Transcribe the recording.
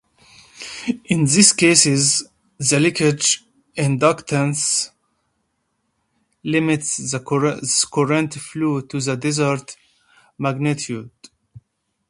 In these cases, the leakage inductance limits the current flow to the desired magnitude.